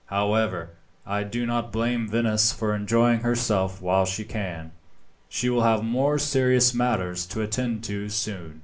However, I do not blame Venice for enjoying herself while she can. She will have more serious matters to attend to soon."